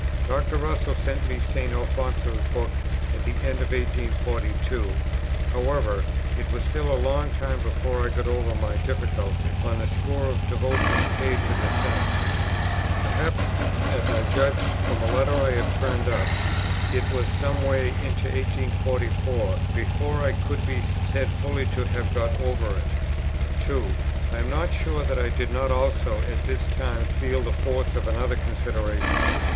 Dr. Russell sent me St. Alfonso's book at the end of 1842; however, it was still a long time before I got over my difficulty, on the score of the devotions paid to the Saints; perhaps, as I judge from a letter I have turned up, it was some way into 1844 before I could be said fully to have got over it. 2. I am not sure that I did not also at this time feel the force of another consideration.